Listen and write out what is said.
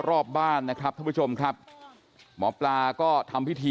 รอบบ้านนะครับท่านผู้ชมครับหมอปลาก็ทำพิธี